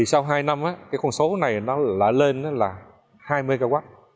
sau hai năm con số này lại lên là hai mươi mw